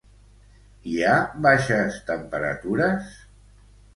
Hi ha baixes temperatures?